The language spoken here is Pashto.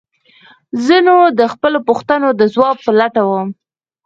زه نو د خپلو پوښتنو د ځواب په لټه وم.